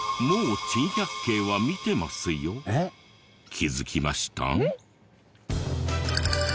気づきました？